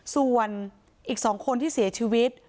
ส่วนอีก๒คนที่เสียชีวิต